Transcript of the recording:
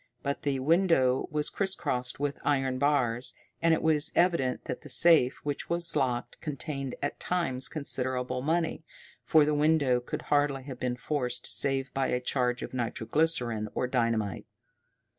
But the window was criss crossed with iron bars, and it was evident that the safe, which was locked, contained at times considerable money, for the window could hardly have been forced save by a charge of nitro glycerine or dynamite.